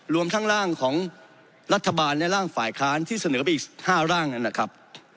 รวมทั้งร่างของรัฐบาลและร่างฝ่ายค้านที่เสนอไปอีก๕ร่างนั้นนะครับ